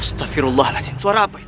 astagfirullahalazim suara apa itu